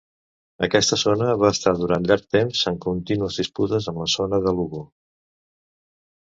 Aquesta zona va estar durant llarg temps en contínues disputes amb la zona de Lugo.